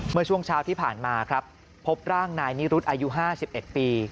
เมื่อช่วงเช้าที่ผ่านมาครับพบร่างนายนิรุธอายุ๕๑ปี